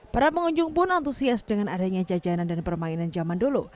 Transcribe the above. para pengunjung pun antusias dengan adanya jajanan dan permainan zaman dulu